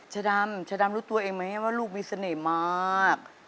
ชะดำชะดำรู้ตัวเองไหมว่าลูกมีเสน่ห์มาก